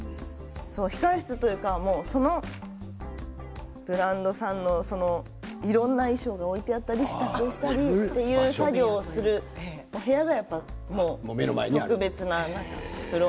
控え室というかそのブランドさんのいろいろな衣装が置いてあったりしてという作業をするお部屋が。